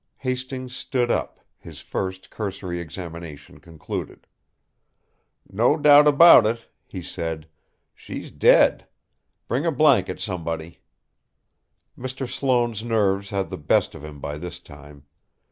Hastings stood up, his first, cursory examination concluded. "No doubt about it," he said. "She's dead. Bring a blanket, somebody!" Mr. Sloane's nerves had the best of him by this time.